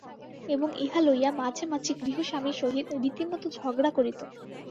এবং ইহা লইয়া মাঝে মাঝে গৃহস্বামীর সহিত রীতিমত ঝগড়া করিত।